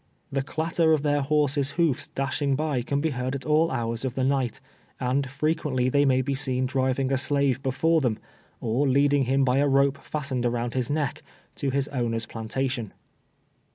The clatter of their lior ses' hoofs dashing by can be heard at all hours of the night, and frerpiently they may be seen driving a slave before them, or leading him by a rope fastened around his neck, to his owner's plantation.